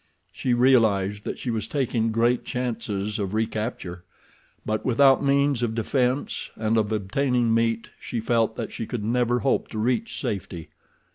She realized that she was taking great chances of recapture; but without means of defense and of obtaining meat she felt that she could never hope to reach safety.